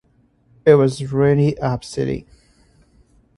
It was really upsetting.